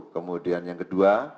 kemudian yang kedua